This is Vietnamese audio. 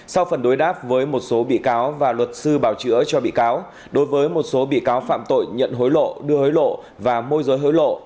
sau phần đối đáp với một số bị cáo và luật sư bảo chữa cho bị cáo đối với một số bị cáo phạm tội nhận hối lộ đưa hối lộ và môi giới hối lộ